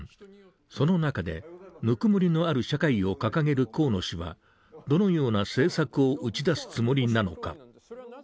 その中で「ぬくもりのある社会」を掲げる河野氏はどのような政策を打ち出すつもりなのか。